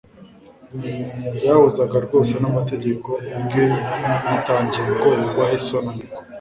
byahuzaga rwose n'amategeko ubwe yitangiye ngo : "Wubahe so na nyoko."